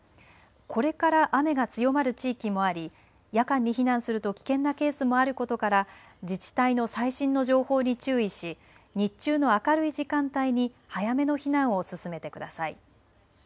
これから雨が強まる地域もあり夜間に避難すると危険なケースもあることから自治体の最新の情報に注意し日中の明るい時間帯に早めの避難を進めてください。